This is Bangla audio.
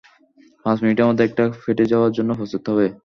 পাচ মিনিটের মধ্যে এটা ফেটে যাওয়ার জন্য প্রস্তুত হবে।